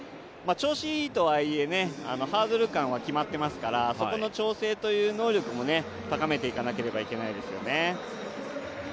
調子がいいとはいえハードル間は決まっていますからそこの調整能力も高めていかないといけないですね。